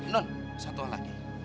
nun satu hal lagi